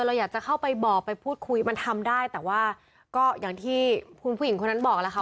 เราอยากจะเข้าไปบอกไปพูดคุยมันทำได้แต่ว่าก็อย่างที่คุณผู้หญิงคนนั้นบอกแล้วค่ะ